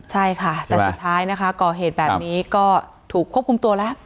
ใช่ค่ะแต่สุดท้ายนะคะก่อเหตุแบบนี้ก็ถูกควบคุมตัวแล้ว